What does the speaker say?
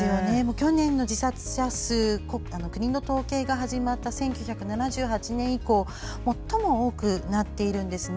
去年の自殺者数は国の統計が始まった１９７８年以降最も多くなっているんですね。